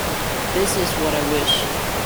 That is what I wish.